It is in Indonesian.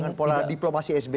dengan pola diplomasi sbi